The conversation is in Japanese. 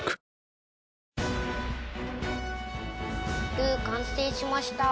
ルウ完成しました！